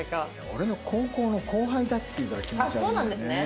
俺の高校の後輩だっていうから気持ち悪いんだよね。